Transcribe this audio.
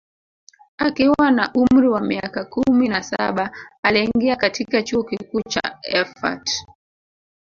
Akiwa na umri wa miaka kumi na saba aliingia katika Chuo Kikuu cha Erfurt